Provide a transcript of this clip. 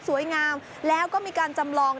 สวยงามแล้วก็มีการจำลอง